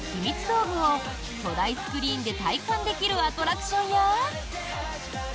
道具を巨大スクリーンで体感できるアトラクションや。